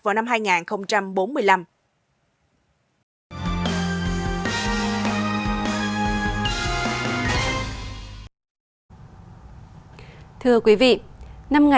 vào năm hai nghìn bốn mươi năm